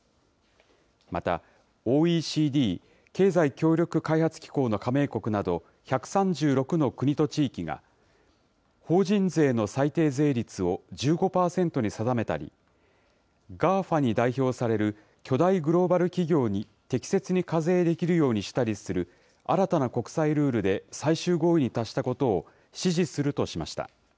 また、ＯＥＣＤ・経済協力開発機構の加盟国など１３６の国と地域が、法人税の最低税率を１５％に定めたり、ＧＡＦＡに代表される巨大グローバル企業に適切に課税できるようにしたりする新たな国際ルールで、最終合意に達したことを支持するとしました。